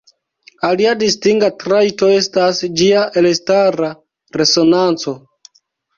Alia distinga trajto estas ĝia elstara resonanco.